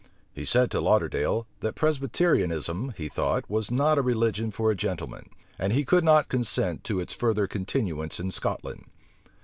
He said to Lauderdale, that Presbyterianism, he thought, was not a religion for a gentleman; and he could not consent to its further continuance in Scotland.